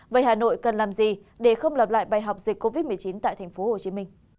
vậy hà nội cần làm gì để không lặp lại bài học dịch covid một mươi chín tại thành phố hồ chí minh